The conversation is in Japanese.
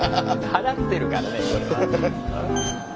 払ってるからねこれは。